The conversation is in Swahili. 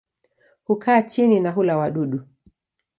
Hukaa chini na hula wadudu.